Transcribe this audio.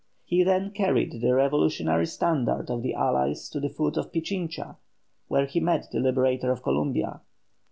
He then carried the revolutionary standard of the allies to the foot of Pichincha, where he met the liberator of Columbia.